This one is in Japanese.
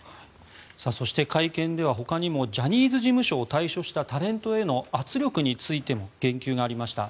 そして会見ではほかにもジャニーズ事務所を退所したタレントへの圧力についても言及がありました。